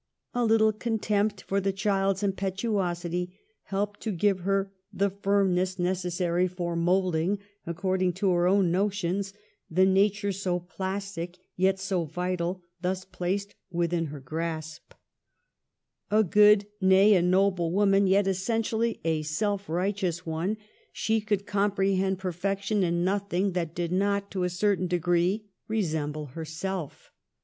A little contempt for the child's im petuosity helped to give her the firmness neces sary for moulding, according to her own notions, the nature so plastic, yet so vital, thus placed within her grasp. A good, nay, a noble woman, yet essentially a self righteous one, she could Digitized by VjOOQIC GIRLHOOD AND MARRIAGE, 2$ comprehend perfection in nothing that did not, to a certain degree, resemble herself.